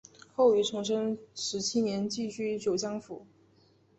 后于崇祯十七年寄居九江府。